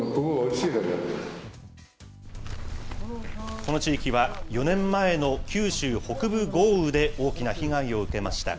この地域は、４年前の九州北部豪雨で大きな被害を受けました。